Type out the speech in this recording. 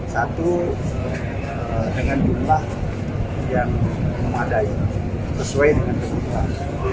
satu dengan jumlah yang memadai sesuai dengan kebutuhan